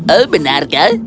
oh benar kau